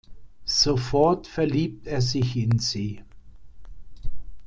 Sofort verliebt er sich in sie.